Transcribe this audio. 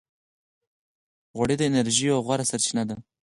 غوړې د انرژۍ یوه غوره سرچینه ده.